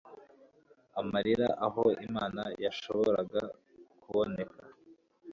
Amarira aho Imana yashoboraga kuboneka